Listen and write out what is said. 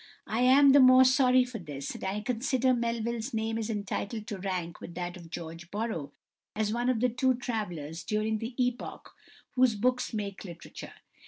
I am the more sorry for this, that I consider Melville's name is entitled to rank with that of George Borrow as one of the two travellers during the epoch whose books make literature.